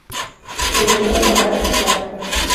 На зіму ўпадаюць у спячку.